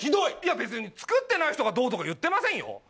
いや別に作ってない人がどうとか言ってませんよ。